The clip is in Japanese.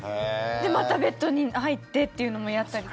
またベッドに入ってっていうのもやったり。